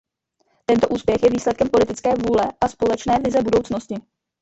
Tento úspěch je výsledkem politické vůle a společné vize budoucnosti.